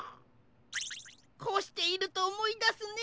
こうしているとおもいだすね。